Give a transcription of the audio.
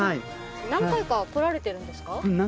何回か来られてるんですか？